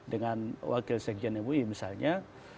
dengan wakil sekjen mui misalnya